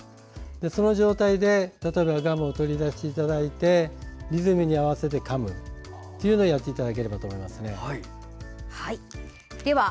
その状態で例えばガムを取り出していただいてリズムに合わせてかむというのをやっていただければと。